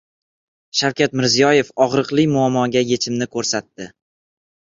Shavkat Mirziyoyev og‘riqli muammoga yechimni ko‘rsatdi